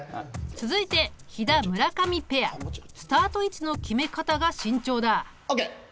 続いて肥田・村上ペア。スタート位置の決め方が慎重だ！ＯＫ！